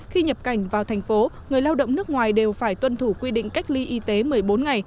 khi nhập cảnh vào thành phố người lao động nước ngoài đều phải tuân thủ quy định cách ly y tế một mươi bốn ngày